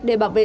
để bảo vệ